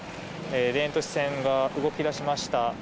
田園都市線が動き出しました。